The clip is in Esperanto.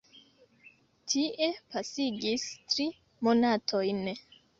Tie pasigis tri monatojn.